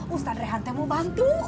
ustadz rehantem mau bantu